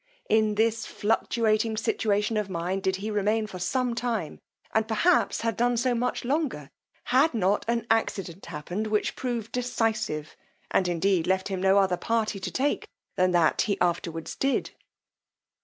In this fluctuating situation of mind did he remain for some time, and perhaps had done so much longer, had not an accident happened which proved decisive, and indeed left him no other party to take than that he afterwards did.